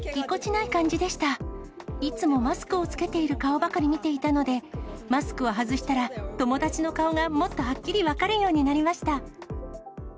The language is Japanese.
いつもマスクを着けている顔ばかり見ていたので、マスクを外したら、友達の顔がもっとはっきり分かるようになりました。